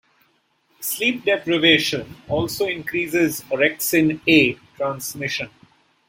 Sleep deprivation also increases orexin-A transmission.